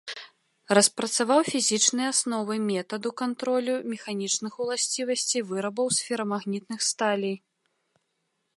Распрацаваў фізічныя асновы метаду кантролю механічных уласцівасцей вырабаў з ферамагнітных сталей.